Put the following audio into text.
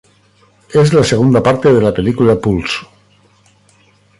Es la segunda parte de la película Pulse.